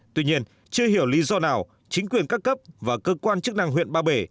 tuy nhiên chưa hiểu lý do nào chính quyền các cấp và cơ quan chức năng huyện ba bể